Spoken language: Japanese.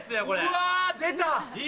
うわ出た。